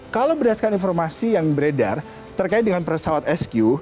kalau berdasarkan informasi yang beredar terkait dengan pesawat sq